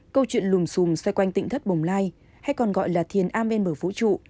câu chuyện lùm xùm xoay quanh tỉnh thất bồng lai hay còn gọi là thiền am bên bờ vũ trụ